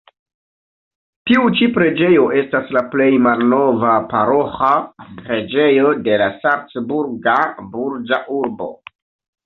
Tiu ĉi preĝejo estas la plej malnova paroĥa preĝejo de la salcburga burĝa urbo.